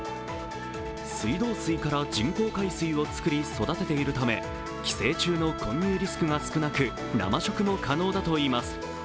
水道水から人工海水を作り育てているため寄生虫の混入リスクが少なく、生食も可能だといいます。